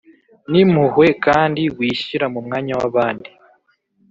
N impuhwe kandi wishyira mu mwanya w abandi